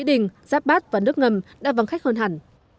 đỉnh giáp bát và nước ngầm đã vắng khách hơn hẳn